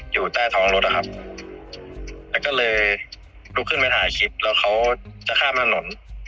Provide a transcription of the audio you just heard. อยู่ใต้ท้องรถอะครับแล้วก็เลยลุกขึ้นไปถ่ายคลิปแล้วเขาจะข้ามถนน